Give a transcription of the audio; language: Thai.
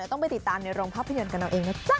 ต้องไปติดตามในโรงภาพยนตร์กันเอาเองนะจ๊ะ